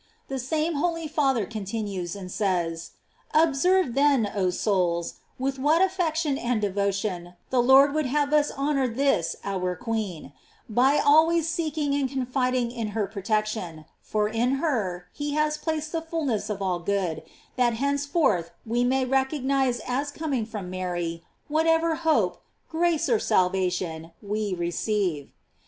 The same holy father continues, and says : Observe, then, oh souls, with what affection and devotion the Lord would have us honor this our queen, by always seeking and confiding in her protec tion ; for in her he has placed the fulness of all good, that henceforth we may recognize as com ing from Mary whatever of hope, grace, or sal vation we receive.